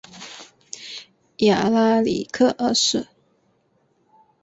亚拉里克二世。